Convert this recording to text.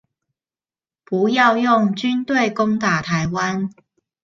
不要用軍隊攻打台灣